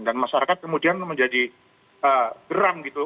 dan masyarakat kemudian menjadi geram gitu